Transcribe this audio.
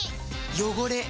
汚れ。